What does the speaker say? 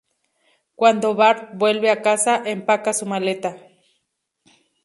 Cuando Bart vuelve a casa, empaca su maleta.